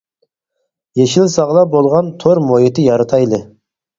يېشىل ساغلام بولغان تور مۇھىتى يارىتايلى.